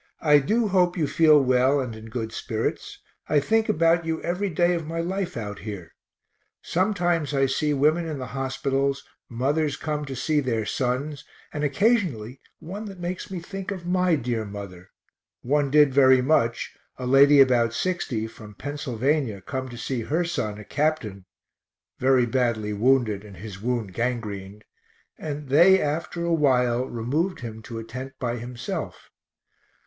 I do hope you feel well and in good spirits I think about you every day of my life out here. Sometimes I see women in the hospitals, mothers come to see their sons, and occasionally one that makes me think of my dear mother one did very much, a lady about 60, from Pennsylvania, come to see her son, a captain, very badly wounded and his wound gangrened, and they after a while removed him to a tent by himself.